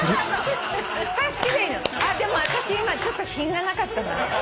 でも私今ちょっと品がなかったな。